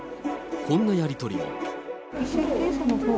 こんなやり取りも。